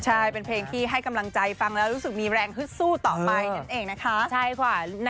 ใช่เป็นเพลงที่ให้กำลังใจฟังแล้วรู้สึกมีแรงฮึดสู้ต่อไปนั่นเองนะคะ